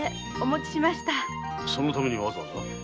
そのためにわざわざ？